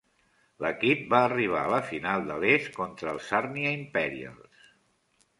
L'equip va arribar a la final de l'est contra els Sarnia Imperials.